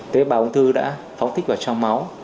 tế bào ung thư đã phóng tích vào trong máu